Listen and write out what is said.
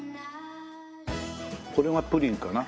これがプリンかな？